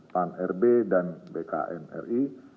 pan rb dan bkn ri